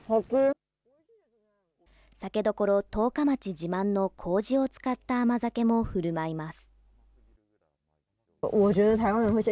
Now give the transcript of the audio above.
酒どころ、十日町自慢のこうじを使った甘酒もふるまいます。